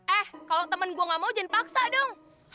eh kalo temen gue gak mau ujin paksa dong